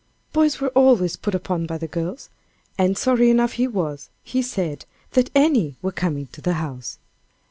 Boys were always put upon by the girls, and sorry enough he was, he said, that any were coming to the house.